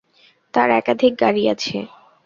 তার একাধিক গাড়ি আছে।